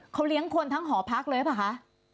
อ๋อเขาเลี้ยงคนทั้งหอพักเลยปะคะ